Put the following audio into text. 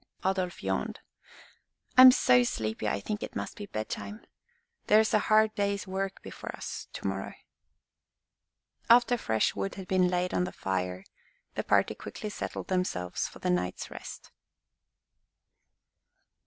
Adolf yawned. "I am so sleepy I think it must be bedtime. There's a hard day's work before us to morrow." After fresh wood had been laid on the fire, the party quickly settled themselves for the night's rest.